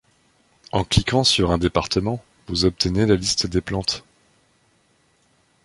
En cliquant sur un département, vous obtenez la liste des plantes.